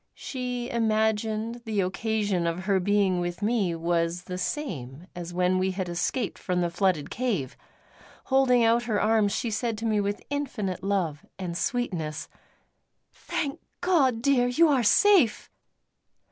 She imagined the occasion of her being with me was the same as when we had escaped from the flooded cave; holding out her arms she said to me with infinite love and sweetness: "Thank God, dear, you are safe!"